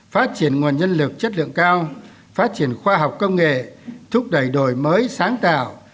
phát triển nguồn nhân lực chất lượng cao phát triển khoa học công nghệ thúc đẩy đổi mới sáng tạo